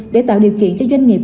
để tạo điều kiện cho doanh nghiệp